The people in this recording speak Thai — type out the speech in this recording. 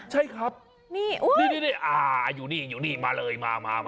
ใช่ครับอุ้ยยยยยอยู่นี่อยู่นี่มาเลยมา